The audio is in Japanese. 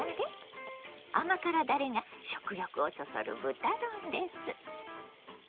甘辛だれが食欲をそそる豚丼です。